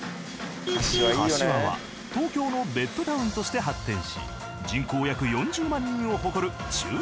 柏は東京のベッドタウンとして発展し人口約４０万人を誇る中核都市。